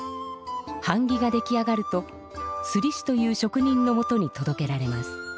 はん木が出来上がるとすりしというしょく人のもとにとどけられます。